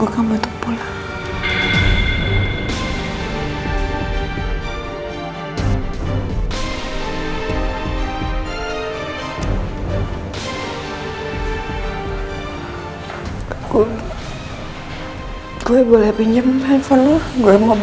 sampai jumpa lagi